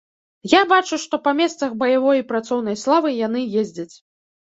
Я бачу, што па месцах баявой і працоўнай славы яны ездзяць.